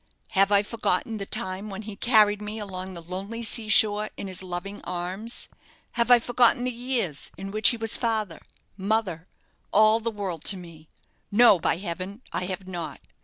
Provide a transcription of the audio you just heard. Have I forgotten the time when he carried me along the lonely sea shore in his loving arms? Have I forgotten the years in which he was father, mother all the world to me? No; by heaven! I have not.